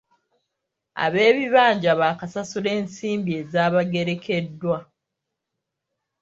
Ab'ebibanja baakusasula ensimbi ezaabagerekeddwa.